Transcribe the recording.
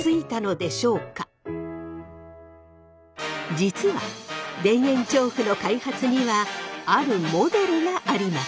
実は田園調布の開発にはあるモデルがありました。